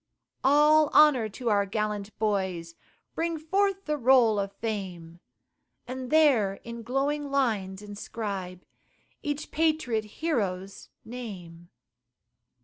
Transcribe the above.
All honor to our gallant boys, Bring forth the roll of fame, And there in glowing lines inscribe Each patriot hero's name.